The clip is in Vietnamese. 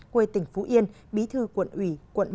quê tỉnh phú yên bí thư quận ủy quận một